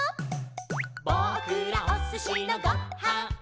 「ぼくらおすしのご・は・ん」